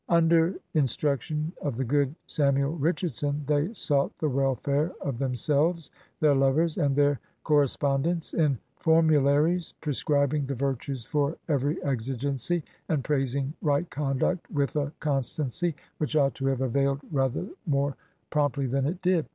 Under in struction of the good Samuel Richardson they sought the welfare of themselves, their lovers, and their cor respondents in formularies prescribing the virtues for every exigency, and praising right conduct with a con stancy which ought to have availed rather more prompt ly than it did.